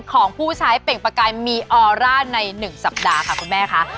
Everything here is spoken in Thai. ของผู้ใช้เปล่งประกายมีออร่าใน๑สัปดาห์ค่ะคุณแม่ค่ะ